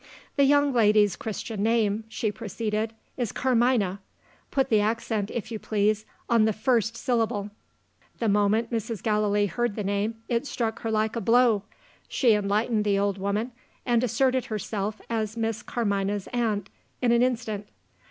"The young lady's Christian name," she proceeded, "is Carmina; (put the accent, if you please, on the first syllable). The moment Mrs. Gallilee heard the name, it struck her like a blow. She enlightened the old woman, and asserted herself as Miss Carmina's aunt in an instant.